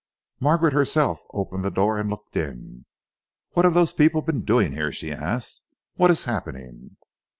Margaret herself opened the door and looked in. "What have those people been doing here?" she asked. "What is happening?"